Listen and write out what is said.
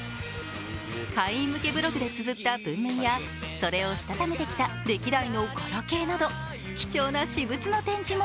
会員向けブログでつづった文面やそれをしたためてきた歴代のガラケーなど貴重な私物の展示も。